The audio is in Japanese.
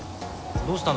どうしたの？